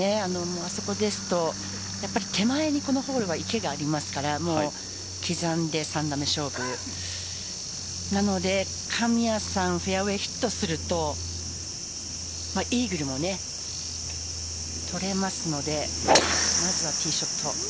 あそこだと手前にこのホールは池があるので刻んで３打目勝負なので、神谷さんフェアウエー、ヒットするとイーグルも取れますので。